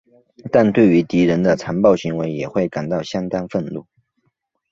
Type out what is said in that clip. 但对于敌人的残暴行为也会感到相当愤怒。